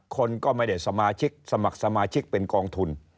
คนก็ไม่ได้สมาชิกสมัครสมาชิกเป็นกองทุน